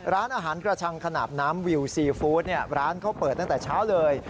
ร้านอาหารกระชังขนาดน้ำวิวซีฟู้ดร้านเขาเปิดตั้งแต่เช้าเลย